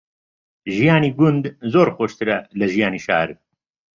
ژیانی گوند زۆر خۆشترە لە ژیانی شار.